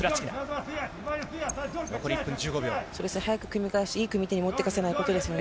早く組み返して、いい組み手に持っていかせないことですね。